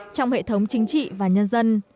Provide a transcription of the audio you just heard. trong hệ thống chính trị và nhân dân